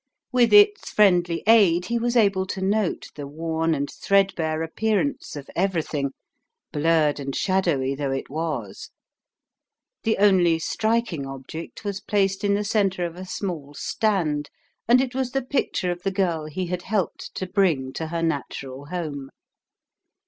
With its friendly aid he was able to note the worn and threadbare appearance of everything, blurred and shadowy though it was. The only striking object was placed in the centre of a small stand and it was the picture of the girl he had helped to bring to her natural home.